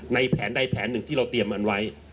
แผนใดแผนหนึ่งที่เราเตรียมอันไว้